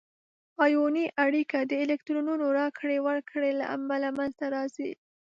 آیوني اړیکه د الکترونونو راکړې ورکړې له امله منځ ته راځي.